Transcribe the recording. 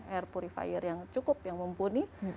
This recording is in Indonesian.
air purifier yang cukup yang mumpuni